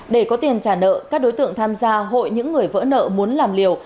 để có tiền trả nợ các đối tượng tham gia hội những người vỡ nợ muốn làm liều